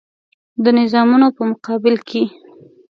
د نظامونو په مقابل کې.